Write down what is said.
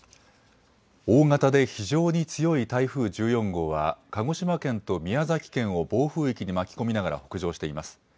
大型で非常に強い台風１４号は鹿児島県と宮崎県を暴風域に巻き込みながら北上しています。